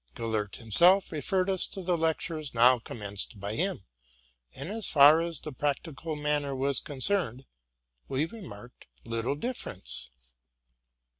Gellert himself referred us to the lectures now com menced by him; and, as far as the principal matter was con cerned, we remarked little difference.